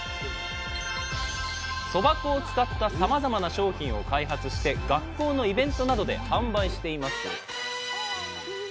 そば粉を使ったさまざまな商品を開発して学校のイベントなどで販売しています。